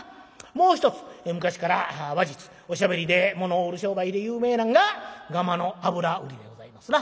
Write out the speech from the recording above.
もう一つ昔から話術おしゃべりで物を売る商売で有名なんががまの油売りでございますな。